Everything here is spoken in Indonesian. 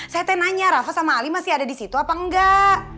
saya nanya rafa sama ali masih ada di situ apa enggak